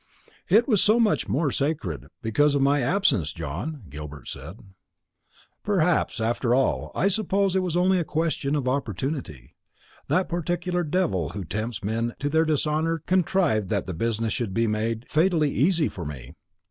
"It was so much the more sacred because of my absence, John," Gilbert said. "Perhaps. After all, I suppose it was only a question of opportunity. That particular devil who tempts men to their dishonour contrived that the business should be made fatally easy for me.